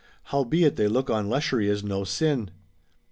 Howbeit they look on lechery as no sin.